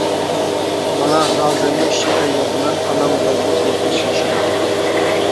مانا ھازىرمۇ شېئىر يازىمەن ئانام يالغۇز يەتمىش يېشىدا.